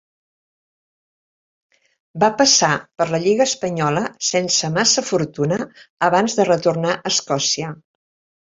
Va passar per la lliga espanyola sense massa fortuna abans de retornar a Escòcia.